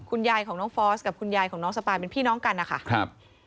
คุณยายของน้องฟอสกับคุณยายของน้องสปายเป็นพี่น้องกันนะคะครับ